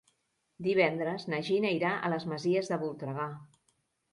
Divendres na Gina irà a les Masies de Voltregà.